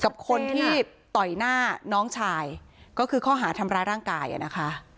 กับคนที่ต่อยหน้าน้องชายก็คือข้อหาทำร้ายร่างกายอ่ะนะคะ